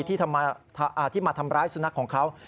ที่มาทำร้ายสุนัขของเขา